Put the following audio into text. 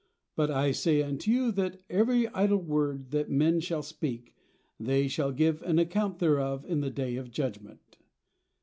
But I say unto you that every idle word that men shall speak, they shall give account thereof in the day of judgment.